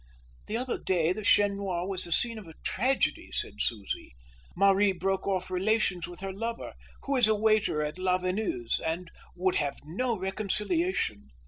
"The other day the Chien Noir was the scene of a tragedy," said Susie. "Marie broke off relations with her lover, who is a waiter at Lavenue's, and would have no reconciliation.